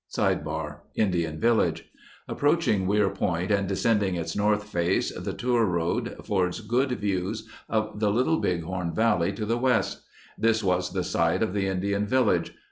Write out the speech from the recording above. O Indian Village Approaching Weir Point and descending its north face, the tour road affords good views of the Little Bighorn Valley to the west. This was the site of the Indian village.